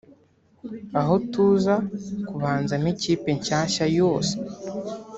aho tuza kubanzamo ikipe nshyashya yose